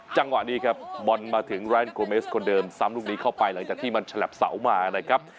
จังหวะนี้ครับบอลมาถึงแรงโกเมสคนเดิมซ้ำลูกนี้เข้าไปหลังจากที่มันฉลับเสามานะครับ